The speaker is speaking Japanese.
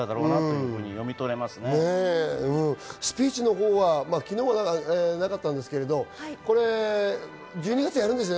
スピーチのほうは昨日はなかったんですけれども、１２月やるんですよね？